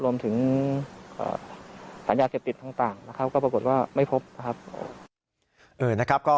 รวมถึงศัลย์ยาเสพติดต่างก็ปรากฏว่าไม่พบนะครับ